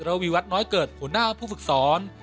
วีวัตน้อยเกิดหัวหน้าผู้ฝึกสอน